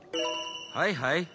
はいはい。